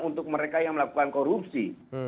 untuk mereka yang melakukan korupsi